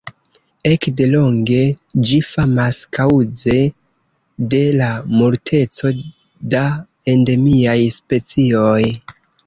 Ekde longe ĝi famas kaŭze de la multeco da endemiaj specioj.